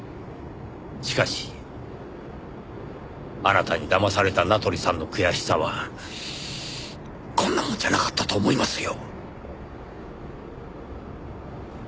しかしあなたに騙された名取さんの悔しさはこんなものじゃなかったと思いますよ！！